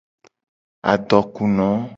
Adokuno.